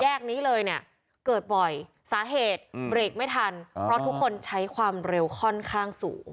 นี้เลยเนี่ยเกิดบ่อยสาเหตุเบรกไม่ทันเพราะทุกคนใช้ความเร็วค่อนข้างสูง